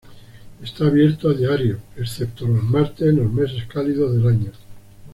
Está abierto a diario excepto los martes en los meses cálidos del año.